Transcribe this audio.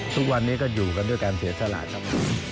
ทุกวันนี้ก็อยู่กันด้วยการเสียสละครับ